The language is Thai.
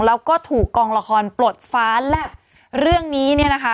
แล้วก็ถูกกองละครปลดฟ้าแลบเรื่องนี้เนี่ยนะคะ